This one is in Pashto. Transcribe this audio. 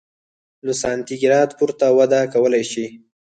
له سانتي ګراد پورته وده کولای شي.